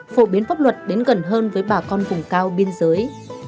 phổ biến pháp luật đến gần hơn với bà con vùng cao biên giới